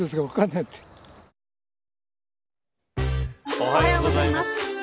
おはようございます。